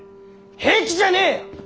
平気じゃねえよ！